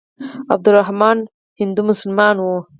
عبدالرحمن هندو مسلمان وو.